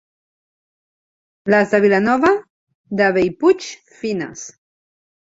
Les de Vilanova de Bellpuig, fines.